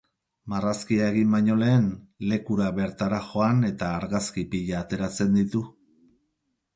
Marrazkia egin baino lehen, lekura bertara joan eta argazki pila ateratzen ditu.